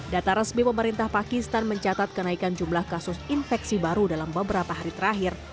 data resmi pemerintah pakistan mencatat kenaikan jumlah kasus infeksi baru dalam beberapa hari terakhir